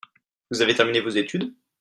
Vous avez terminé vos études ?